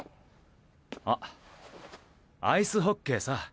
あっアイスホッケーさ。